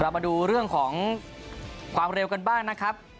มาดูเรื่องของความเร็วกันบ้างนะครับ